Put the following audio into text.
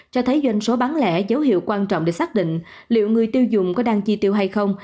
cho thấy doanh số bán lẻ dấu hiệu quan trọng để xác định liệu người tiêu dùng có đăng chi tiêu hay không